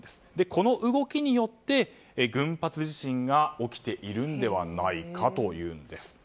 この動きによって群発地震が起きているのではないかというんです。